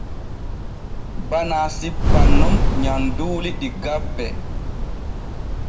Bana sippan nun nyamduuli ɗi gabbe.